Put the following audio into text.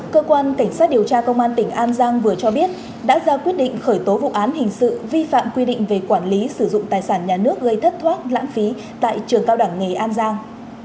cơ quan cảnh sát điều tra công an tỉnh an giang vừa cho biết đã ra quyết định khởi tố vụ án hình sự vi phạm quy định về quản lý sử dụng tài sản nhà nước gây thất thoát lãng phí tại trường cao đẳng nghề an giang